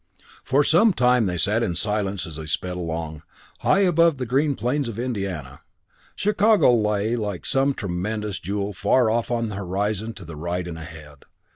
For some time they sat in silence as they sped along, high above the green plains of Indiana. Chicago lay like some tremendous jewel far off on the horizon to the right and ahead.